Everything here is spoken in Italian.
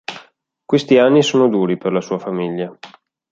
Questi anni sono duri per la sua famiglia.